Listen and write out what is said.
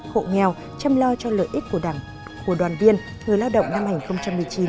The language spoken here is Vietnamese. hộ nghèo chăm lo cho lợi ích của đoàn viên người lao động năm hành một mươi chín